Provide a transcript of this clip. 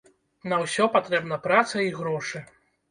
На ўсё патрэбна праца і грошы.